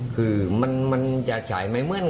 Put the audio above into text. คือมันจะฉายไม่เหมือน